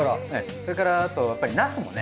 それからあとやっぱりナスもね。